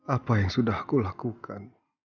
apa yang sudah aku lakukan